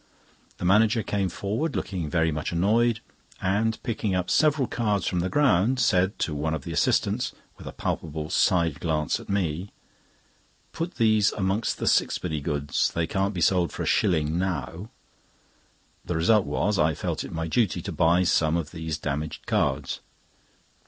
The manager came forward, looking very much annoyed, and picking up several cards from the ground, said to one of the assistants, with a palpable side glance at me: "Put these amongst the sixpenny goods; they can't be sold for a shilling now." The result was, I felt it my duty to buy some of these damaged cards.